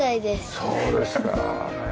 そうですかへえ。